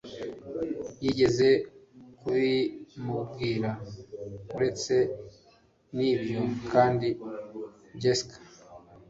yigeze kubimubwira uretse n ibyo kandi jessica